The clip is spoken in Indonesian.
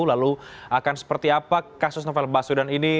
lalu akan seperti apa kasus novel baswedan ini